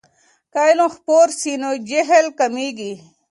که علم خپور سي نو جهل کمېږي.